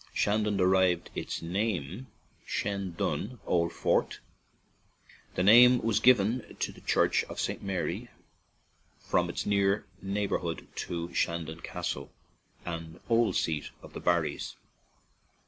Shandon derives its name from Seandun (old fort) ; the name was given to the church of St. Mary, from its near neighborhood to Shandon Castle, an old seat of the Barrvs.